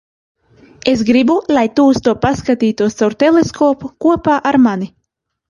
Es gribu, lai tu uz to paskatītos caur teleskopu - kopā ar mani.